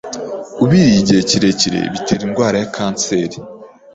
ubiriye igihe kirekire bitera indwara ya kanseri.